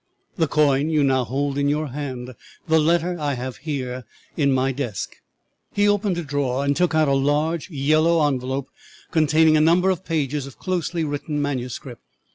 The coin you now hold in your hand, the letter I have here in my desk." He opened a drawer and took out a large yellow envelope containing a number of pages of closely written manuscript.